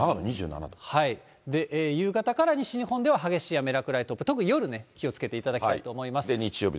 夕方から西日本では激しい雨、落雷、突風、特に夜ね、気をつけていただきたいと思います。